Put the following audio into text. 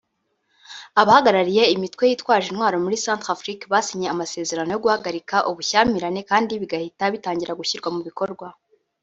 Abahagarariye imitwe yitwaje intwaro muri Centrafrique basinye amasezerano yo guhagarika ubushyamirane kandi bigahita bitangira gushyirwa mu bikorwa